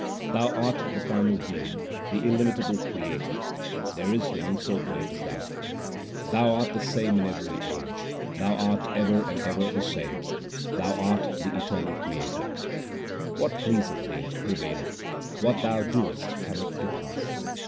Thou art the primal Being, the illimitable Creator ; there is none so great as Thou. Thou art the same in every age ; Thou art ever and ever the same ; Thou art the eternal Creator. What pleaseth Thee prevaileth ; what Thou doest cometh to pass.